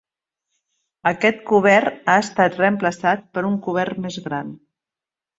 Aquest cobert ha estat reemplaçat per un cobert més gran.